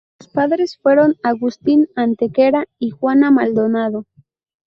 Sus padres fueron Agustín Antequera y Juana Maldonado.